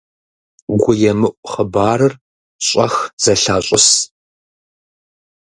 ГуемыӀу хъыбарыр щӀэх зэлъащӀыс.